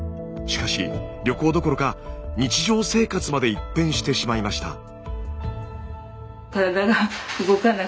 しかし旅行どころか日常生活まで一変してしまいました。